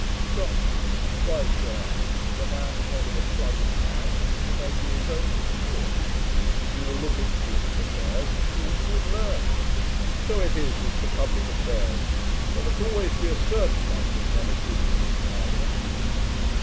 JOHNSON. 'Why, sir, if a man is not of a sluggish mind, he may be his own steward. If he will look into his affairs, he will soon learn. So it is as to publick affairs. There must always be a certain number of men of business in Parliament.'